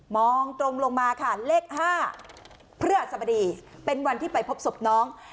มองตรงลงมาค่ะเลข๕พฤหัสบดีเป็นวันที่ไปพบศพน้อง